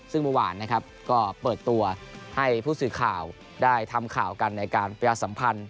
ซึ่งเมื่อวานนะครับก็เปิดตัวให้ผู้สื่อข่าวได้ทำข่าวกันในการประชาสัมพันธ์